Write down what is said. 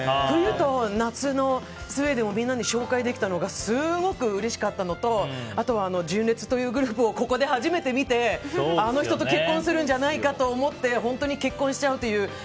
冬と夏のスウェーデンをみんなに紹介できたのがすごくうれしかったのとあとは、純烈というグループをここで初めて見てあの人と結婚するんじゃないかと思って本当に結婚しちゃうという。